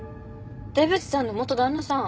出渕さんの旦那さん。